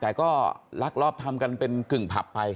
แต่ก็ลักลอบทำกันเป็นกึ่งผับไป